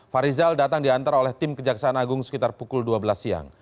farizal datang diantar oleh tim kejaksaan agung sekitar pukul dua belas siang